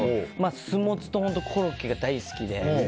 酢モツとコロッケが大好きで。